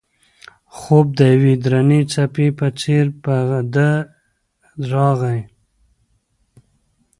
خوب د یوې درنې څپې په څېر په ده راغی.